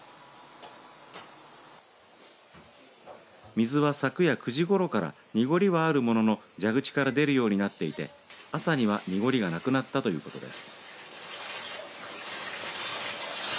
水は昨夜９時ごろから濁りはあるものの蛇口から出るようになっていて朝には濁りがなくなったということです。